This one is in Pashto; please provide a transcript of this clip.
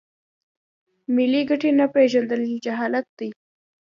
ملي ګټې نه پیژندل جهالت دی.